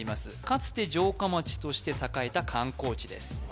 かつて城下町として栄えた観光地です